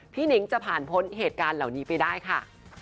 นิ้งจะผ่านพ้นเหตุการณ์เหล่านี้ไปได้ค่ะ